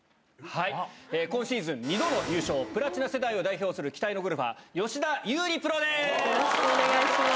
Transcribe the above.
今シーズン、２度の優勝、プラチナ世代を代表する期待のゴルファー、吉田優利プロです。